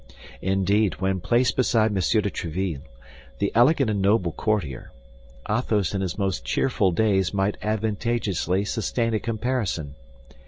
Indeed, when placed beside M. de Tréville, the elegant and noble courtier, Athos in his most cheerful days might advantageously sustain a comparison.